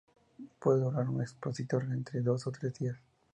Puede durar en un expositor entre dos o tres días.